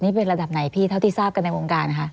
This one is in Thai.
นี่เป็นระดับไหนเท่าที่ทราบกันในโรงการ